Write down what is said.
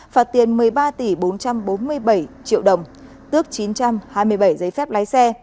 phạt tiền một mươi ba tỷ bốn trăm bốn mươi bảy triệu đồng tước chín trăm hai mươi bảy giấy phép lái xe